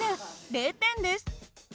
０点です。